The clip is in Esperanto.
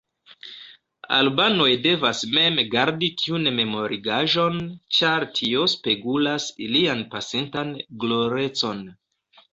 Albanoj devas mem gardi tiun memorigaĵon, ĉar tio spegulas ilian pasintan glorecon.